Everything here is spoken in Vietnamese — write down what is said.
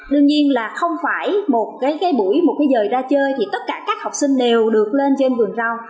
đương nhiên là không phải một cái buổi một cái giờ ra chơi thì tất cả các học sinh đều được lên trên vườn rau